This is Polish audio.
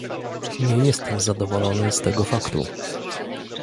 Nie jestem zadowolony z tego faktu